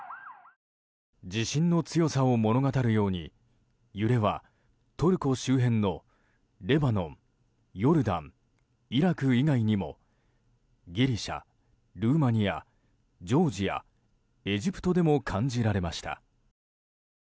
地震の強さを物語るように揺れはトルコ周辺のレバノンヨルダン、イラク以外にもギリシャ、ルーマニアジョージア、エジプトでも感じられました。